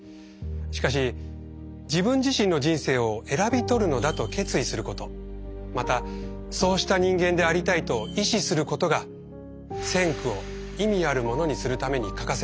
しかし自分自身の人生を選び取るのだと決意することまたそうした人間でありたいと意思することが「先駆」を意味あるものにするために欠かせないのです。